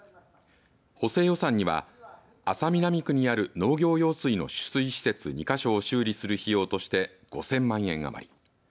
補正予算には安佐南区にある農業用水の取水施設２か所を修理する費用として５０００万円余り。